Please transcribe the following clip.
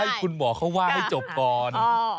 ให้คุณหมอเขาว่าให้จบก่อน